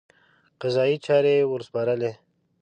قضایي چارې ورسپارلې.